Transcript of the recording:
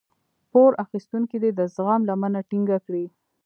پور اخيستونکی دې د زغم لمنه ټينګه کړي.